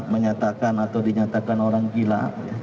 menyatakan atau dinyatakan orang gila